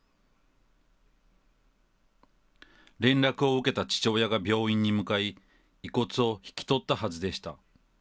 連絡を受けた父親が病院に向かい、遺骨を引き取ったはずでした。